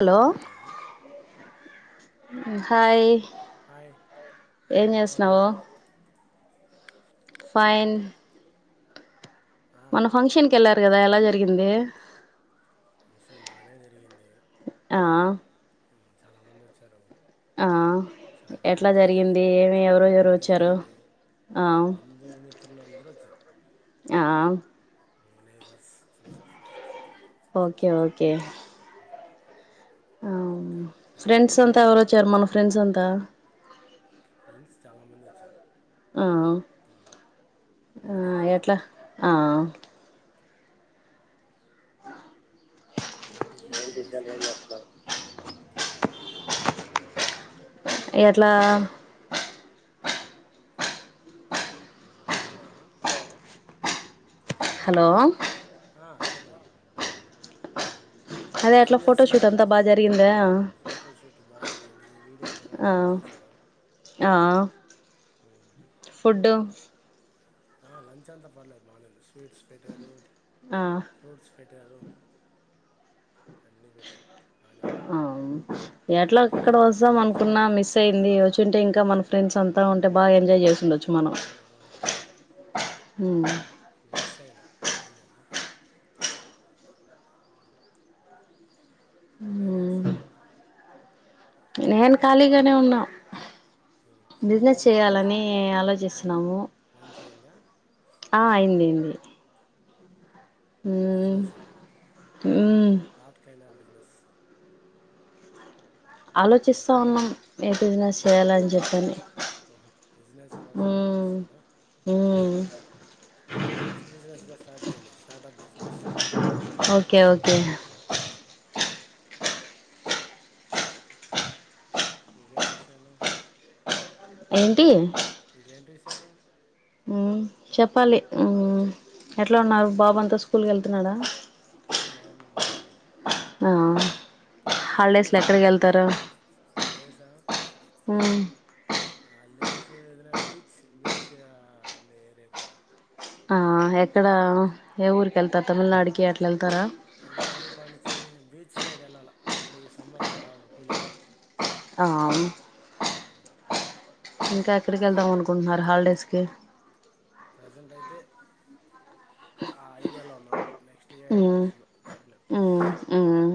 Hello hi hi ఏం hello how are you. చేస్తున్నావు fine ఆ మొన్న ఫంక్షన్ అలా కి వెళ్ళారు కదా ఎలా జరిగింది ఫంక్షన్ బాగానే జరిగింది ఆ చాలా మంది వచ్చారు ఆ చాలా ఎట్లా గ్రాండ్ గా జరిగింది ఏమి చాలా ఎవరో ఎవరు గ్రాండ్ గా వచ్చారు జరిగింది ఆ బంధుమిత్రులు అందరూ వచ్చారు ఆ నైబర్స్ అందరు ఓకే ఓకే ఆ ఇంకా ఇంకేంటి ఫ్రెండ్స్ విషయాలు అంతా ఎవరు వచ్చారు మన ఫ్రెండ్స్ అంతా ఫ్రెండ్స్ చాలా మంది వచ్చారు ఆ ఉమ్, బాగానే జరిగింది ఏట్లా ఆ ఏం. విషయాలు ఏం చేస్తున్నారు ఎట్లా హలో హలో ఆహా చెప్పు అదే ఏం అట్లా ఫోటోషూట్ చేస్తున్నారు అంతా బాగా జరిగిందా ఫోటోషూట్ బాగా జరిగింది వీడియో కెమెరా ఆ కవర్ చేశారు ఆ ఉమ్, ఫుడ్ ఆ లంచ్ అంతా పర్లేదు బానే ఉంది స్వీట్స్ పెట్టారు ఆ ఫ్రూట్స్ పెట్టారు. అన్నీ పెట్టారు బాగానే ఉంది ఆ ఎట్లా అక్కడ వస్తాం అనుకున్నా మిస్ అయింది వచ్చుంటే ఇంకా మన ఫ్రెండ్స్ అంతా ఉంటే బాగా ఎంజాయ్ చేసిండొచ్చు మనం. అవును అవును అవును హ్మ్. మిస్ అయి ఏం చేద్దాం. ఇప్పుడు ఏం చేస్తున్నావ్. నేను. ఖాళీగానే ఉన్నా ఉమ్. బిజినెస్ అయిందా లంచ్ చేయాలని ఆలోచిస్తున్నాము లంచ్ అయిందా ఆ అయిందిది బిజినెసా మ్మ్ పాట్ కైనా. దస్. ఆలోచిస్తా ఉన్నాం ఏ బిజినెస్ చేయాల అని చెప్పిని. ఓహో బిజినెస్ కోసం ఆలోచిస్తున్నారా ఓకే మ్మ్ మంచి బిజినెస్ గా. స్టార్ట్ చేయండి స్టార్ ప్. Okay okay. ఇంకేేంటి విషయాలు. ఏంటి ఇంకేంటి విషయాలు మ్మ్ చెప్పాలి ఎట్లా ఉన్నారు బాబు అంతా స్కూల్కి వెళ్తున్నాడా బావున్నారా ఆ హాలిడేస్ లో ఎక్కడికి స్కూల్కి వెళ్ళి వెళ్తారు హాలిడేసా హాలిడేస్ ఏదన్నా బీచ్ బీచ్ ఏరియాకి ఎలా ఆ ఎక్కడ ఏ ఊరికి వెళ్తారుా తమిళనాడుకి అట్లా వెళ్తారా తమిళనాడు పాండిచ్చేరి బీచ్ సైడ్ వెళ్ళాలి అప్పుడ ఈ సమ్మర్ కి బాగా కూలింగ్ గా ఉంటుంది ఆ ఇంకా ఎక్కడికి వెళ్దాం అనుకుంటున్నారు హాలిడేస్ కి ప్రసెంట్ అయితే ఆ ఐడియాలో ఉన్నాం నెక్స్ట్ ఏ ఐడియా హ్మ్ వస్తదో చెప్పలేము హ్మ్ హ్మ్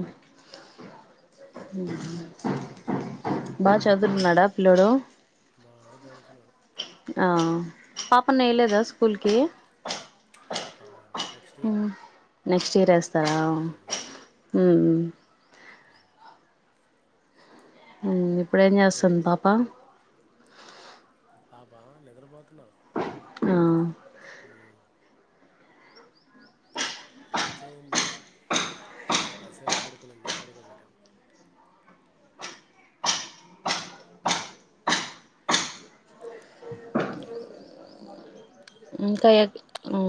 ఉ బాగా చదురున్నాడా పిల్లోడు బాగా చదువుతున్నాడు ఆ పాపను వేయలేదా స్కూల్ కి పాప నెక్స్ట్ ఇయర్ నెక్స్ట్ ఇయర్ వేస్తారా ఉమ్, ఉమ్, ఉమ్. ఉ ఇప్పుడు ఏం ఇంకేంటి చేస్తుంది పాప పాబా నిద్రపోతున్నా ఆ అ లంచ్ అయింది కాసేపు ఆడుకునింది పడుకోబెట్టాము ఇంకా ఏది ఆ